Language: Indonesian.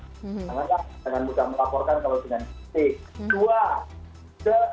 jangan jangan mudah melaporkan kalau dengan sikap sikap